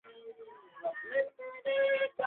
বাসটি সেতুতে ওঠার সময় হঠাৎ বিকট শব্দ হয়ে খালে পড়ে যায়।